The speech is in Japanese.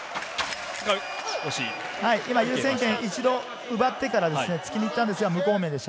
今、優先権、一度奪ってから突きに行ったんですが、無効面でした。